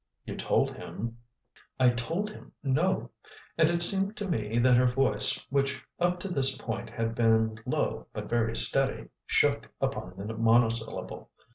"You told him " "I told him 'No!'" And it seemed to me that her voice, which up to this point had been low but very steady, shook upon the monosyllable.